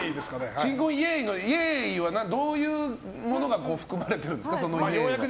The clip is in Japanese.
新婚イエーイのイエーイはどういうものが含まれてるんですか。